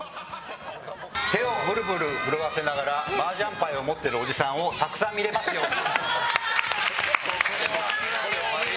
手をブルブル震わせながらマージャン牌を持っているおじさんをたくさん見れますように。